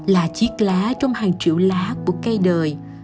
là chiếc lá trong hàng triệu lá của cây đời